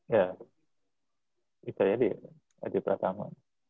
ya bisa jadi adipratama